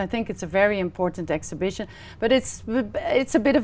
hợp tác với người việt